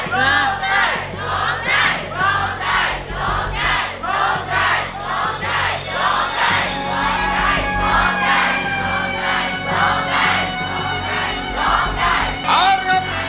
ร้องได้ร้องได้ร้องให้